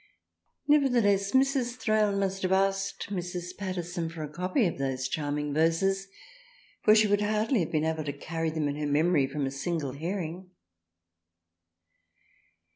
Nevertheless Mrs. Thrale must have asked Mrs. Paterson for a copy of " those charming verses " for she would hardly have been able to carry them in her memory from a single hearing.